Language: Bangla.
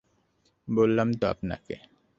বললাম তো আপনাকে।